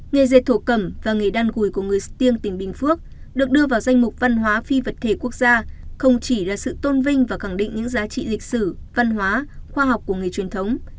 nghề dệt thổ cẩm và nghề đan gùi của người stiêng tỉnh bình phước được đưa vào danh mục văn hóa phi vật thể quốc gia không chỉ là sự tôn vinh và khẳng định những giá trị lịch sử văn hóa khoa học của nghề truyền thống